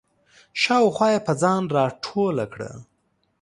شاوخوا یې پر ځان راټوله کړه.